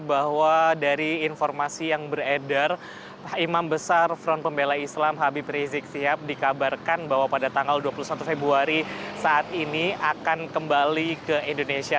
bahwa dari informasi yang beredar imam besar front pembela islam habib rizik sihab dikabarkan bahwa pada tanggal dua puluh satu februari saat ini akan kembali ke indonesia